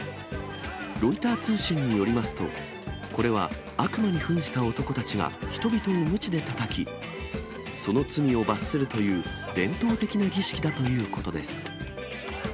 ロイター通信によりますと、これは悪魔にふんした男たちが人々をむちでたたき、その罪を罰するという伝統的な儀式だということです。